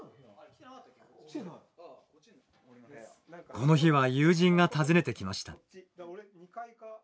この日は友人が訪ねてきました。